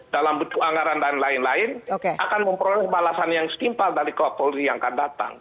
dalam bentuk anggaran dan lain lain akan memperoleh balasan yang setimpal dari kapolri yang akan datang